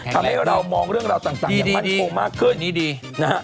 ทำให้เรามองเรื่องเราต่างอย่างมั่นโทหมากขึ้น